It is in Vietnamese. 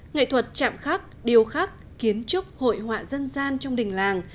nghệ thuật chạm khắc điều khắc kiến trúc hội họa dân gian trong đình làng